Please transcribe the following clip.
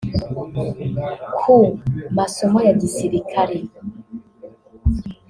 ku masomo ya gisirikare